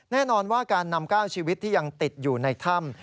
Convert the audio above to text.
แน่นอนว่าการนำ๙ชีวิตที่ยังติดอยู่ในถ้ำ